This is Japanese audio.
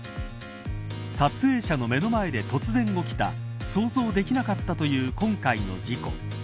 撮影者の目の前で突然、起きた想像できなかったという今回の事故。